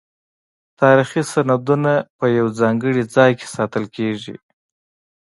تاریخي سندونه په یو ځانګړي ځای کې ساتل کیږي.